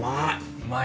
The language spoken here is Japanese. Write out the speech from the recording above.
うまい！